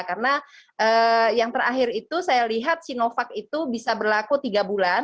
karena yang terakhir itu saya lihat sinovac itu bisa berlaku tiga bulan